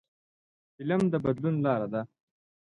فلم د بدلون لاره ده